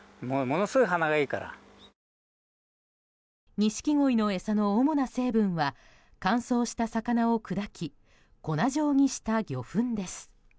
ニシキゴイの餌の主な成分は乾燥した魚を砕き粉状にした魚粉です。